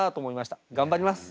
頑張ります。